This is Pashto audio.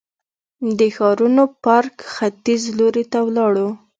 د ښارنو پارک ختیځ لوري ته ولاړو.